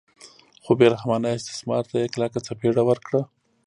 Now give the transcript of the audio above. خو بې رحمانه استثمار ته یې کلکه څپېړه ورکړه.